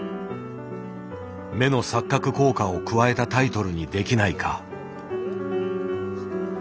「目の錯覚効果」を加えたタイトルにできないか。